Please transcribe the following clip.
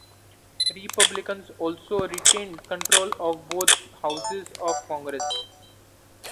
Republicans also retained control of both houses of Congress.